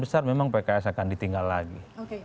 besar memang pks akan ditinggal lagi